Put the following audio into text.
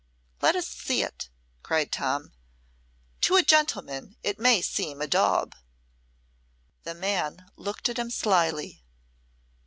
"Let us see it," cried Tom. "To a gentleman it may seem a daub." The man looked at him slyly.